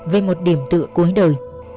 về một điểm tựa cuối đời